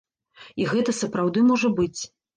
І гэта сапраўды можа быць.